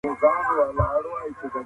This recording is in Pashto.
دی غواړي چې په رڼا کې ژوند وکړي.